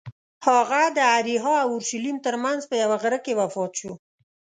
هغه د اریحا او اورشلیم ترمنځ په یوه غره کې وفات شو.